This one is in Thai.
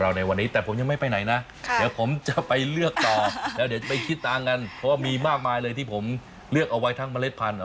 แล้วเดี๋ยวจะไปคิดต่างกันเพราะว่ามีมากมายเลยที่ผมเลือกเอาไว้ทั้งมะเล็ดพันธุ์